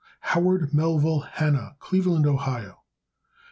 Howard Melville Hanna, Cleveland, Ohio.